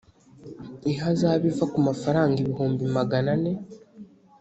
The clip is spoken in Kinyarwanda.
ihazabu iva ku mafaranga ibihumbi magana ane